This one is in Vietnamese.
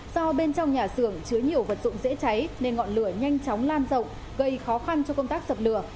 do bên trong nhà xưởng chứa nhiều vật dụng dễ cháy nên ngọn lửa nhanh chóng lan rộng gây khó khăn cho công tác dập lửa